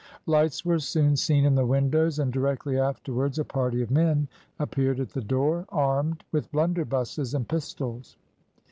Lights were soon seen in the windows, and directly afterwards a party of men appeared at the door, armed with blunderbusses and pistols.